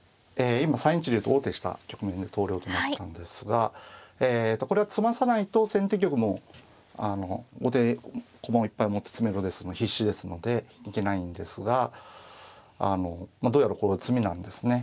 今３一竜と王手した局面で投了となったんですがえとこれは詰まさないと先手玉も後手駒をいっぱい持って詰めろですので必至ですのでいけないんですがあのどうやらこれ詰みなんですね。